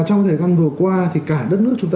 trong thời gian vừa qua thì cả đất nước chúng ta